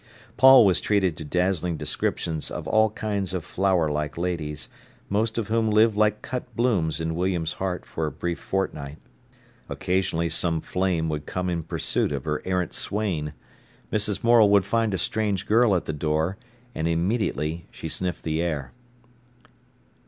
Paul was treated to dazzling descriptions of all kinds of flower like ladies, most of whom lived like cut blooms in William's heart for a brief fortnight. Occasionally some flame would come in pursuit of her errant swain. Mrs. Morel would find a strange girl at the door, and immediately she sniffed the air.